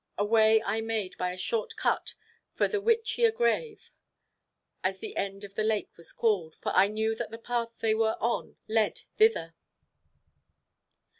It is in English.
Away I made by a short cut for the "Witches' grave," as the end of the lake was called, for I knew that the path they were on led thither.